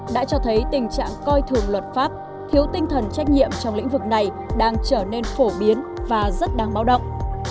đã cho thấy tình trạng coi thường luật pháp thiếu tinh thần trách nhiệm trong lĩnh vực này đang trở nên phổ biến và rất đáng báo động